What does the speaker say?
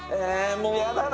もう嫌だな。